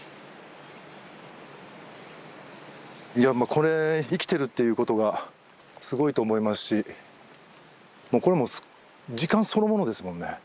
これ生きてるっていうことがすごいと思いますしこれもう時間そのものですもんね。